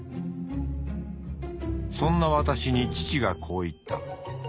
そんな私に父がこう言った。